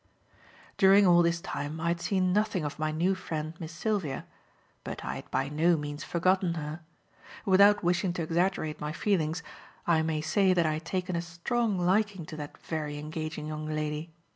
During all this time I had seen nothing of my new friend Miss Sylvia. But I had by no means forgotten her. Without wishing to exaggerate my feelings, I may say that I had taken a strong liking to that very engaging young lady.